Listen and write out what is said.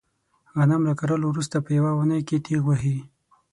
غنم له کرلو ورسته په یوه اونۍ کې تېغ وهي.